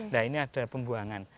nah ini ada pembuangan